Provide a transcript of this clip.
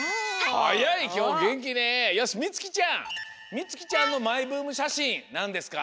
みつきちゃんのマイブームしゃしんなんですか？